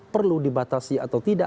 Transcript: perlu dibatasi atau tidak